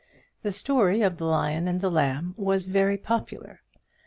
The story of the Lion and the Lamb was very popular.